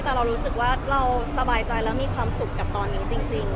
แต่เรารู้สึกว่าเราสบายใจแล้วมีความสุขกับตอนนี้จริง